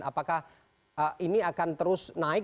apakah ini akan terus naik